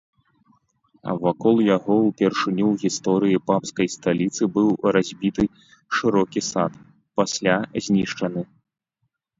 Вакол яго ўпершыню ў гісторыі папскай сталіцы быў разбіты шырокі сад, пасля знішчаны.